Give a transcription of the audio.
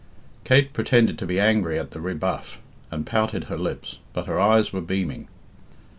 Kate pretended to be angry at the rebuff, and pouted her lips, but her eyes were beaming.